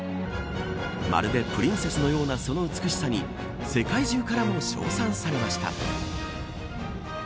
まるでプリンセスのようなその美しさに世界中からも称賛されました。